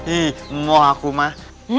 ih moh aku mah